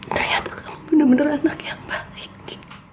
ternyata kamu benar benar anak yang baik